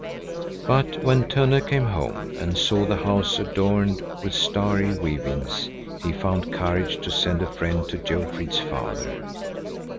But when Tönne came home and saw the housc adorned with starry weavings, he found courage to send a friend to Jofrid's father.